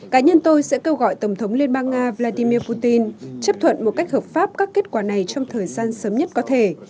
cá nhân tôi sẽ kêu gọi tổng thống liên bang nga vladimir putin chấp thuận một cách hợp pháp các kết quả này trong thời gian sớm nhất có thể